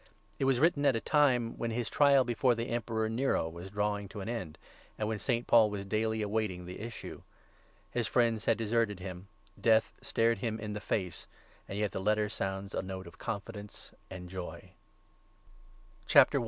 It was written at a time when his trial before the Emperor Nero was drawing to an end, and when St. Paul was daily awaiting the issue. His friends had deserted him, death stared him in the face, and yet the Letter sounds a note of confidence and joy. TO THE PHILIPPIANS. I .